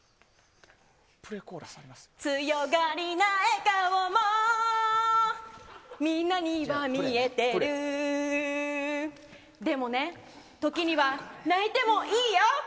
強がりな笑顔もみんなには見えてるでもね、時には泣いてもいいよ